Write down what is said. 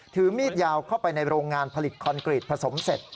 ถือมีดยาวเข้าไปในโรงงานผลิตคอนกรีตผสมเสร็จ